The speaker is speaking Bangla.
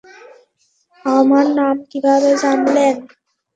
আমার নাম কীভাবে জানলে?